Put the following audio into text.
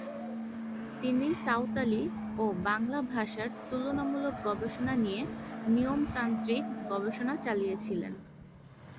তিনি সাঁওতালি ও বাংলা ভাষার তুলনামূলক গবেষণা নিয়ে নিয়মতান্ত্রিক গবেষণা চালিয়েছিলেন।